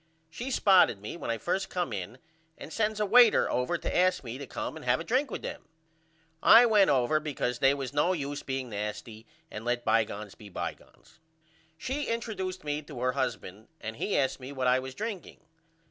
She spotted me when I first come in and sends a waiter over to ask me to come and have a drink with them. I went over because they was no use being nasty and let bygones be bygones. She interduced me to her husband and he asked me what I was drinking.